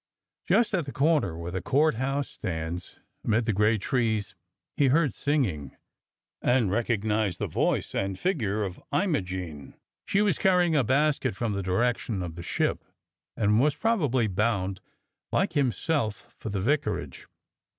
Just at the corner where the Court House stands amid the great trees he heard sing ing, and recognized the voice and figure of Imogene. She was carrying a basket from the direction of the Ship and was probably bound, like himself, for the vicarage.